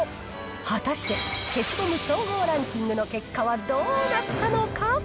果たして消しゴム総合ランキングの結果はどうなったのか？